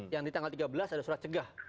yang di tanggal tiga belas ada surat cegah